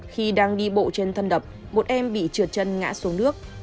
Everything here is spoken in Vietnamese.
khi đang đi bộ trên thân đập một em bị trượt chân ngã xuống nước